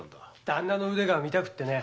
旦那の腕を見たくてね。